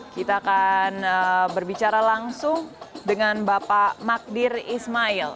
kita akan berbicara langsung dengan bapak magdir ismail